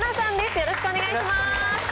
よろしくお願いします。